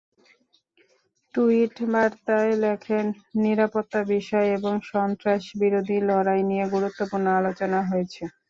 Tweet বার্তায় লেখেন, নিরাপত্তার বিষয় এবং সন্ত্রাসবিরোধী লড়াই নিয়ে গুরুত্বপূর্ণ আলোচনা হয়েছে।